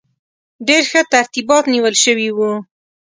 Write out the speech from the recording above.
ډېر ښه ترتیبات نیول شوي وو.